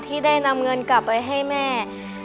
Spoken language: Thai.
ที่ได้นำเงินกลับไปให้แม่